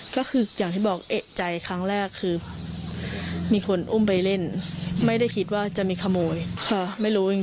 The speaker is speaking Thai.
ก็คืออย่างที่บอกเอกใจครั้งแรกคือมีคนอุ้มไปเล่นไม่ได้คิดว่าจะมีขโมยค่ะไม่รู้จริง